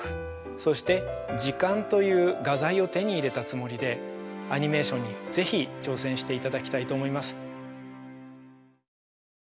そして時間という画材を手に入れたつもりでアニメーションに是非挑戦していただきたいと思います。